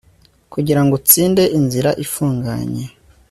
Kugira ngo utsinde inzira ifunganye